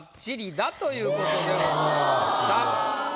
だということでございました。